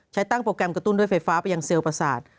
ใช้ตั้งโปรแกรมกระตุ้นด้วยไฟฟ้าไปยังเซลลประสาท